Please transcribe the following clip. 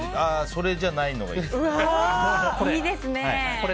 それじゃないのがいいです。